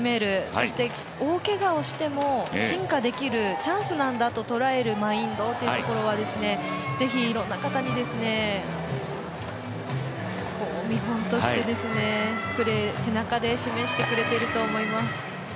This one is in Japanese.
そして、大けがをしても進化できるチャンスなんだととらえるマインドというところは是非、いろんな方に見本としてプレー、背中で示してくれていると思います。